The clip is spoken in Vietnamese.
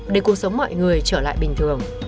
để cuộc sống mọi người trở lại bình thường